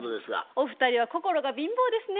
お二人は心が貧乏ですね。